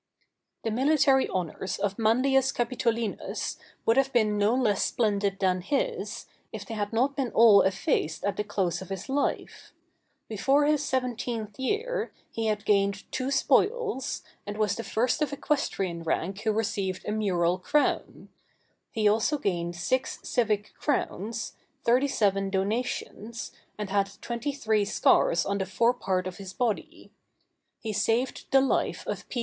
The military honors of Manlius Capitolinus would have been no less splendid than his, if they had not been all effaced at the close of his life. Before his seventeenth year, he had gained two spoils, and was the first of equestrian rank who received a mural crown; he also gained six civic crowns, thirty seven donations, and had twenty three scars on the fore part of his body. He saved the life of P.